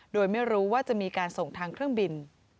โดยไม่รู้ว่าจะมีการส่งทางเครื่องบิน